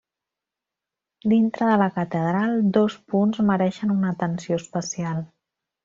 Dintre de la catedral dos punts mereixen una atenció especial.